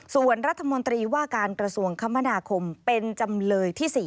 ส่วนรัฐมนตรีว่าการกระทรวงคมนาคมเป็นจำเลยที่๔